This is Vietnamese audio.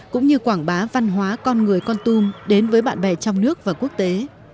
cũng như quảng bá văn hóa con người con tum đến với bạn bè trong nước và quốc tế